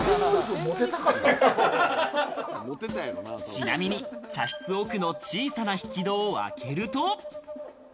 ちなみに、茶室奥の小さな引き戸を開けると。